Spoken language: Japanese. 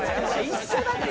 一緒だって！